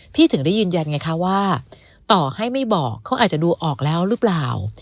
ถึงได้ยืนยันไงคะว่าต่อให้ไม่บอกเขาอาจจะดูออกแล้วหรือเปล่า